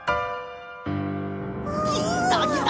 きたきた！